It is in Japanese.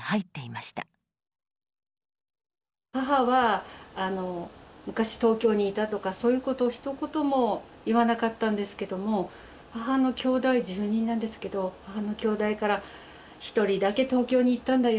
母は昔東京にいたとかそういうことをひと言も言わなかったんですけども母のきょうだい１０人なんですけど母のきょうだいから１人だけ東京に行ったんだよ。